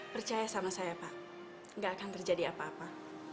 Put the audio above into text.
percaya sama saya pak gak akan terjadi apa apa